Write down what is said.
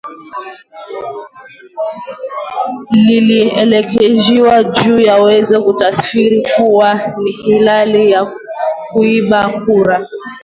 leweshaji huo unaweza kutafsiriwa kuwa ni hila za kuiba kura